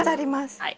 はい。